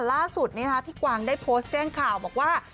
ล่าสุดพี่กวางได้โพสต์แจ้งข่าวบอกว่า